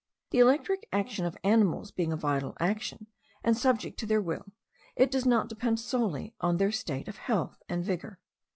The electric action of animals being a vital action, and subject to their will, it does not depend solely on their state of health and vigour.